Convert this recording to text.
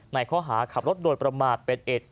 ในข้อหาขับรถโดยประมาทเป็นเอ็ด